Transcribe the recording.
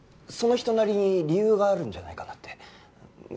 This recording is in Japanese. その人なりに理由があるんじゃないかな？